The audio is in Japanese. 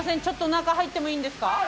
ちょっと中入ってもいいんですか？